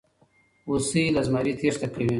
هوسۍ له زمري تېښته کوي.